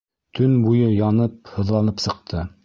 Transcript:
Төн буйы янып-һыҙланып сыҡты.